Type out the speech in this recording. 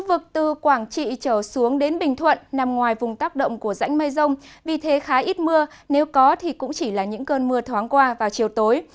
vực từ quảng trị trở xuống đến bình thuận nằm ngoài vùng tác động của rãnh mây rông vì thế khá ít mưa nếu có thì cũng chỉ là những cơn mưa thoáng qua vào chiều tối